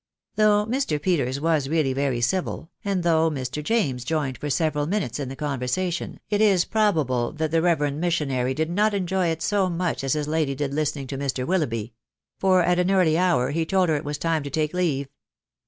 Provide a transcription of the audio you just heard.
Though Mr. Peters was really very civil, and though Mr. James joined for several minutes in the conversation, it is pro bable that the reverend missionary did not enjoy it so muck as his lady did listening to Mr. Willoughby ; for at an early hour he told her it was time to take leave.